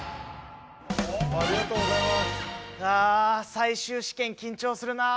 あ最終試験緊張するな。